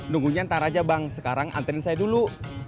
nunggunya ntar aja bang sekarang antren saya dulu